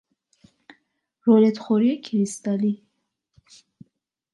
رولت خوری کریستالی